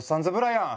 やん！